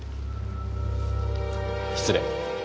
失礼。